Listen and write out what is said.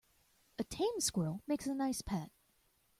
A tame squirrel makes a nice pet.